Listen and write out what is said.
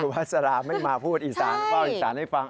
คุณสุภาษาไม่มาพูดอีสานเปล่าอีสานให้ฟัง